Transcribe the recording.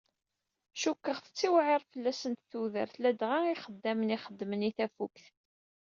caku tettiwεir fell-asen tudert, ladɣa ixeddamen i ixeddmen i tafukt.